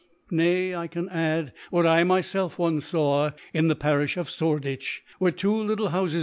* Nay^ I can add, what I myfcif once faw in the Parifliof Sborediicb^ where two little Houfes.